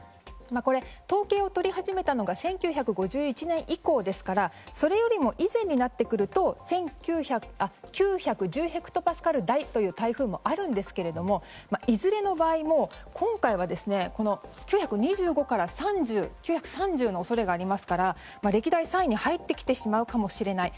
統計を取り始めたのが１９５１年以降ですからそれよりも以前になってくると９１０ヘクトパスカル台という台風もあるんですけどもいずれの場合も今回は９２５から９３０の恐れがありますから、歴代３位に入ってきてしまうかもしれない。